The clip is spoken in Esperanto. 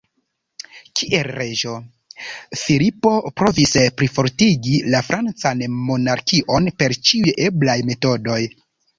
Kiel reĝo, Filipo provis plifortigi la francan monarkion per ĉiuj eblaj metodoj.